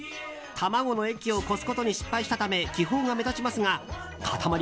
卵の液をこすことに失敗したため気泡が目立ちますが固まり